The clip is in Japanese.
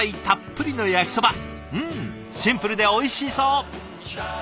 シンプルでおいしそう！